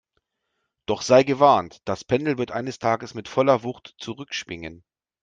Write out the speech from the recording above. Doch sei gewarnt, das Pendel wird eines Tages mit voller Wucht zurückschwingen!